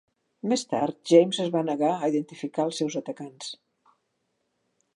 Més tard, James es va negar a identificar els seus atacants.